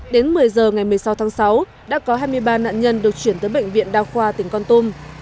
vào ngày một mươi sáu tháng sáu đã có hai mươi ba nạn nhân được chuyển tới bệnh viện đắc khoa tỉnh con tùng